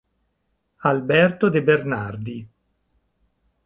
Alberto de Bernardi.